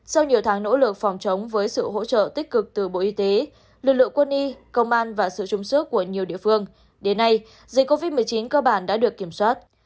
sau nhiều tháng nỗ lực phòng chống với sự hỗ trợ tích cực từ bộ y tế lực lượng quân y công an và sự trung sức của nhiều địa phương đến nay dịch covid một mươi chín cơ bản đã được kiểm soát